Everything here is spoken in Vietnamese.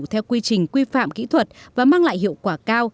theo quy trình quy phạm kỹ thuật và mang lại hiệu quả cao